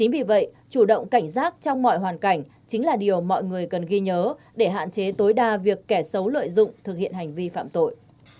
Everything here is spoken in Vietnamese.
vì vậy chủ động cảnh giác trong mọi hoàn cảnh chính là điều mọi người cần ghi nhớ để hạn chế tối đa việc kẻ xấu lợi dụng thực hiện hành vi phạm tội